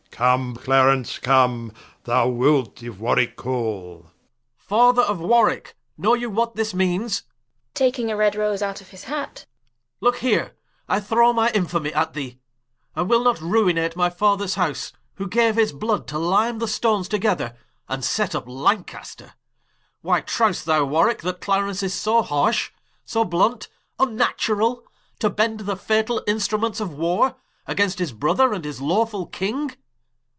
Come Clarence, come: thou wilt, if Warwicke call Clar. Father of Warwicke, know you what this meanes? Looke here, I throw my infamie at thee: I will not ruinate my Fathers House, Who gaue his blood to lyme the stones together, And set vp Lancaster. Why, trowest thou, Warwicke, That Clarence is so harsh, so blunt, vnnaturall, To bend the fatall Instruments of Warre Against his Brother, and his lawfull King.